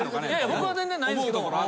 僕は全然ないんですけど。